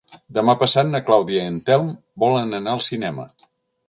Demà passat na Clàudia i en Telm volen anar al cinema.